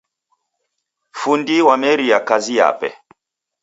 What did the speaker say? Fundi wameria kazi yape